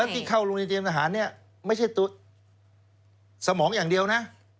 ที่เข้าโรงเรียนเตรียมทหารเนี่ยไม่ใช่ตัวสมองอย่างเดียวนะ